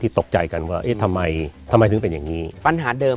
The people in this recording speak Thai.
ตกใจกันว่าเอ๊ะทำไมทำไมถึงเป็นอย่างงี้ปัญหาเดิม